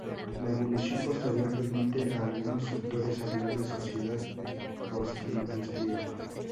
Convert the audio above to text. La evolución posterior permite a algunos autores hablar de sociedad postindustrial.